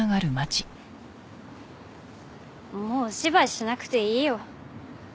もうお芝居しなくていいよ。